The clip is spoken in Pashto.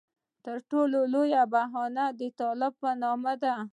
تر ټولو لویه بهانه د طالب نوم دی.